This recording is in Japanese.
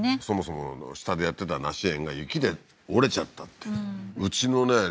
そもそも下でやってた梨園が雪で折れちゃったってうちのね